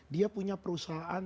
dia punya perusahaan